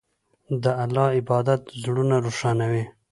د الله عبادت زړونه روښانوي.